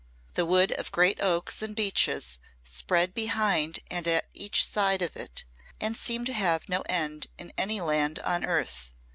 The wood of great oaks and beeches spread behind and at each side of it and seemed to have no end in any land on earth.